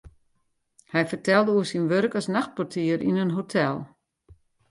Hy fertelde oer syn wurk as nachtportier yn in hotel.